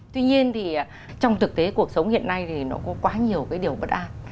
tuy nhiên thì trong thực tế cuộc sống hiện nay thì nó có quá nhiều cái điều bất an